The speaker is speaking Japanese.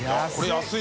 安い！